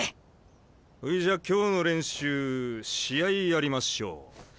ほいじゃ今日の練習試合やりましょう。